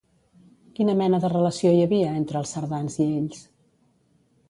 Quina mena de relació hi havia entre els cerdans i ells?